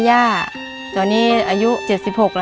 เมื่อ